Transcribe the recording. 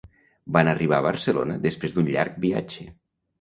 van arribar a Barcelona després d'un llarg viatge